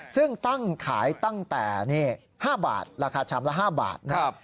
ซึ่งตั้งขายตั้งแต่๕บาทราคาชามละ๕บาทนะครับ